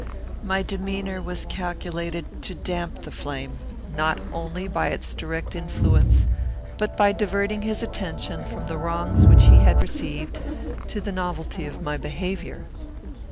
My demeanour was calculated to damp the flame, not only by its direct influence, but by diverting his attention from the wrongs which he had received, to the novelty of my behaviour.